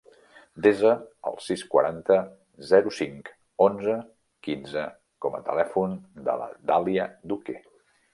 Desa el sis, quaranta, zero, cinc, onze, quinze com a telèfon de la Dàlia Duque.